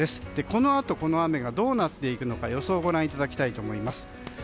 このあとこの雨がどうなっていくのか予想をご覧いただきます。